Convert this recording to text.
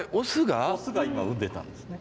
雄が今産んでたんですね。